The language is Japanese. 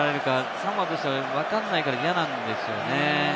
サモアとしてはわかんないから嫌なんですよね。